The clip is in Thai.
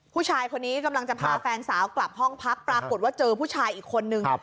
ผู้ชายคนนี้กำลังจะพาแฟนสาวกลับห้องพักปรากฏว่าเจอผู้ชายอีกคนนึง